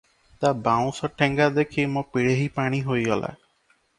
ତା ବାଉଁଶଠେଙ୍ଗା ଦେଖି ମୋ ପିଳେହି ପାଣି ହୋଇଗଲା ।